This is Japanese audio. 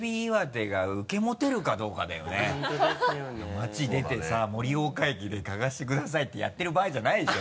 町出てさ盛岡駅で嗅がせてくださいってやってる場合じゃないでしょ。